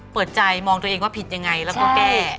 เปิดใจมองตัวเองว่าผิดยังไงแล้วก็แก้